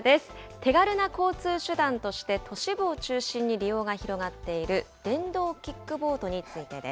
手軽な交通手段として都市部を中心に利用が広がっている電動キックボードについてです。